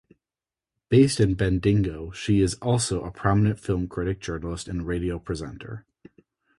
Based in Bendigo, she is also a prominent film critic, journalist and radio presenter.